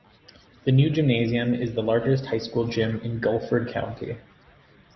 The new gymnasium is the largest high school gym in Guilford County.